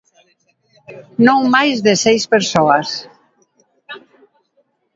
Non máis de seis persoas.